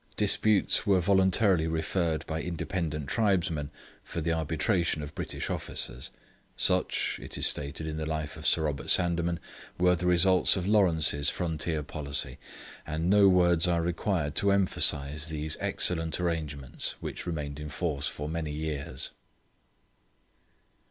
Disputes were voluntarily referred by independent tribesmen for the arbitration of British officers. Such, (it is stated in the life of Sir Robert Sandeman) were the results of Lawrence's frontier policy, and no words are required to emphasise these excellent arrangements, which remained in force for many years.